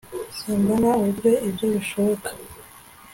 Simbona uburyo ibyo bishoboka